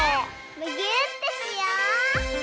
むぎゅーってしよう！